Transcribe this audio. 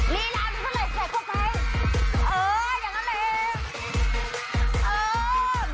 นี่ล่ะมันก็เลยเก็บเข้าไป